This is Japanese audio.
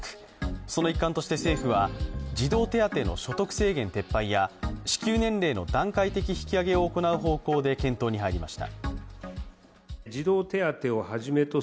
その一環として、政府は児童手当の所得制限撤廃や支給年齢の段階的引き上げを行う方向で検討に入りました。